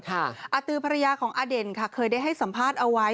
อาตือภรรยาของอเด่นค่ะเคยได้ให้สัมภาษณ์เอาไว้